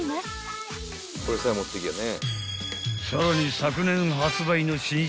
［さらに］